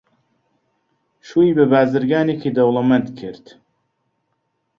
شووی بە بازرگانێکی دەوڵەمەند کرد.